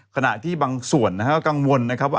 ขณะที่บางส่วนนะฮะกังวลนะครับว่า